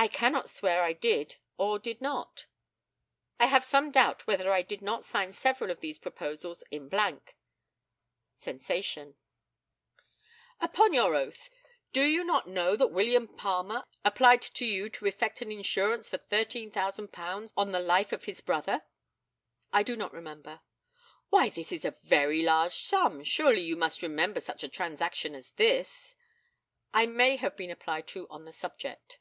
I cannot swear I did or did not. I have some doubt whether I did not sign several of these proposals in blank [sensation]. Upon your oath, do you not know that William Palmer applied to you to effect an insurance for £13,000 on the life of his brother? I do not remember. Why this is a very large sum, surely you must remember such a transaction as this? I may have been applied to on the subject.